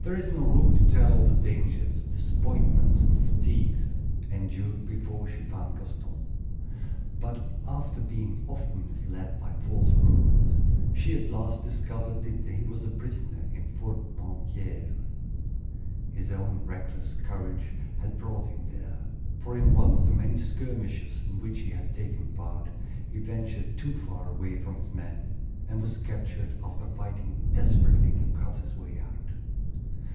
There is no room to tell all the dangers, disappointments, and fatigues endured before she found Gaston; but after being often misled by false rumors, she at last discovered that he was a prisoner in Fort Penthièvre. His own reckless courage had brought him there; for in one of the many skirmishes in which he had taken part, he ventured too far away from his men, and was captured after fighting desperately to cut his way out.